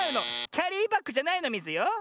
キャリーバッグじゃないのミズよ。